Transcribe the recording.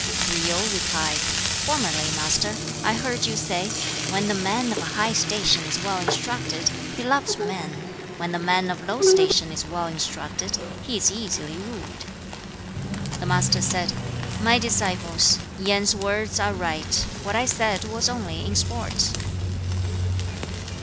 3. Tsze yu replied, 'Formerly, Master, I heard you say, "When the man of high station is well instructed, he loves men; when the man of low station is well instructed, he is easily ruled."' 4. The Master said, 'My disciples, Yen's words are right. What I said was only in sport.'